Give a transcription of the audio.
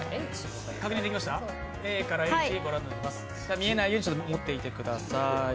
見えないように持っていてください